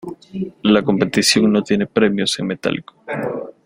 La competición no tiene premios en metálico.